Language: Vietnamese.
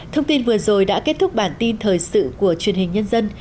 thông tin vừa rồi đã kết thúc bản tin thời sự của truyền hình nhân dân